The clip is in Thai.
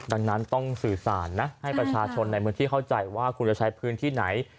ดังนั้นต้องสื่อสารนะให้ประชาชนในพื้นที่เข้าใจว่าคุณจะใช้พื้นที่ไหน